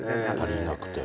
足りなくて。